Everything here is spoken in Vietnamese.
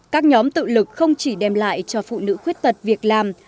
các nhóm tự lực không chỉ đem lại cho phụ nữ khuyết tật việc làm